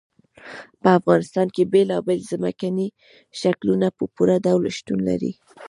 په افغانستان کې بېلابېل ځمکني شکلونه په پوره ډول شتون لري.